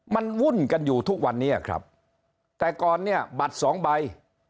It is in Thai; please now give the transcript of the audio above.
มันวุ่นกันอยู่ทุกวันนี้ครับแต่ก่อนเนี่ยบัตรสองใบ